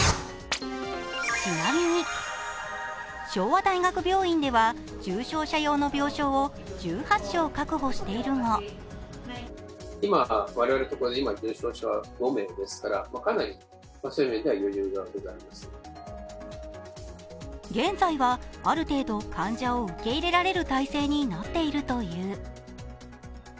ちなみに、昭和大学病院では、重症者用の病症を１８床確保しているが現在は、ある程度、患者を受け入れられる体制になっているという。